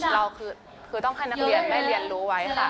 เราคือต้องให้นักเรียนได้เรียนรู้ไว้ค่ะ